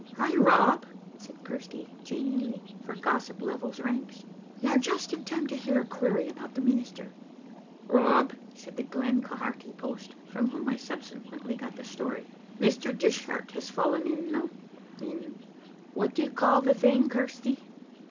"Ay, Rob," said Chirsty, genially, for gossip levels ranks, " you're just in time to hear a query about the minister. " "Rob," said the Glen Quharity post, from whom I subsequently got the story, " Mr. Dishart has fallen in— in— what do you call the thing, Chirsty?"